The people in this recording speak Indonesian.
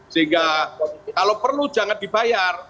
sehingga kalau perlu jangan dibayar